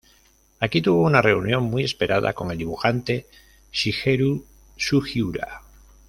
Aquí tuvo una reunión muy esperada con el dibujante Shigeru Sugiura.